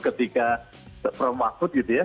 ketika prof mahfud gitu ya